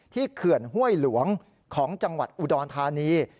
เขื่อนห้วยหลวงของจังหวัดอุดรธานี